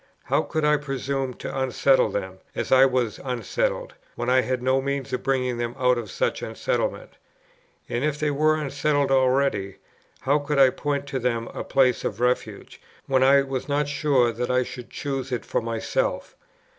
How could I presume to unsettle them, as I was unsettled, when I had no means of bringing them out of such unsettlement? And, if they were unsettled already, how could I point to them a place of refuge, when I was not sure that I should choose it for myself?